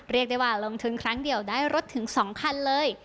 เรียกได้ว่าลงทุนครั้งเดียวได้รถถึง๒คันเลย